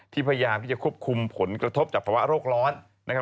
ที่พยายามที่จะควบคุมผลกระทบจากภาวะโรคร้อน